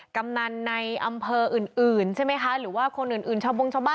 กำนันในอำเภออื่นอื่นใช่ไหมคะหรือว่าคนอื่นอื่นชาวบงชาวบ้าน